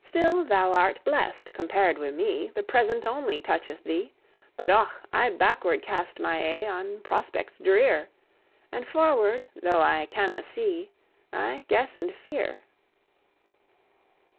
Still thou art blest, compared wi' me! The present only toucheth thee: But, och! I backward cast my e'e On prospects drear! And forward, though I canna see, I guess and fear.